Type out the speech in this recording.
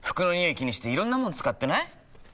気にしていろんなもの使ってない？